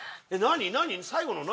何？